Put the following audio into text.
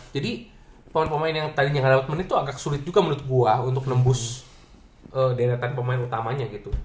jadi pemain pemain yang tadi gak dapet menit tuh agak sulit juga menurut gue untuk nembus deretan pemain utamanya gitu